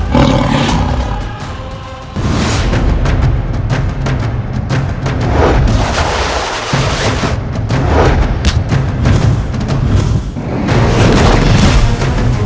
paman sanjang lodaya